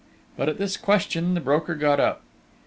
But, at this question, the broker got up.